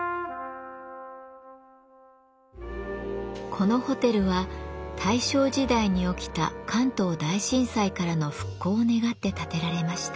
このホテルは大正時代に起きた関東大震災からの復興を願って建てられました。